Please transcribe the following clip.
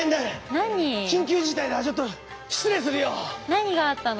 何があったの？